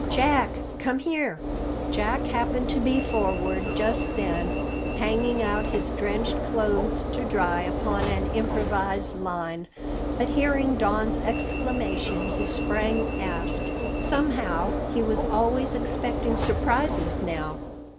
"Jack, come here!" Jack happened to be forward just then, hanging out his drenched clothes to dry upon an improvised line, but hearing Don's exclamation, he sprang aft. Somehow he was always expecting surprises now.